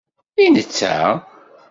I netta?